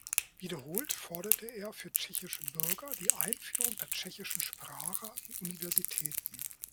Wiederholt forderte er für tschechische Bürger die Einführung der tschechischen Sprache an Universitäten.